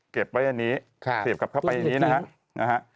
เก็บไว้อันนี้เสียบกลับเข้าไปอย่างนี้นะฮะ